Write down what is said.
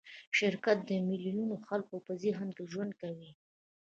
شرکت د میلیونونو خلکو په ذهن کې ژوند کوي.